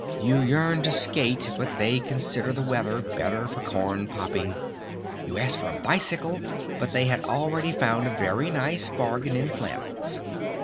You yearn to skate but they consider the weather better for corn popping! You ask for a bicycle but they had already found a very nice bargain in flannels!